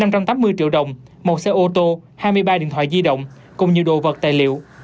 năm trăm tám mươi triệu đồng một xe ô tô hai mươi ba điện thoại di động cùng nhiều đồ vật tài liệu